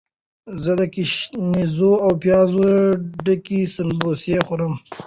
زه د ګشنیزو او پیازو ډکې سموسې خوښوم.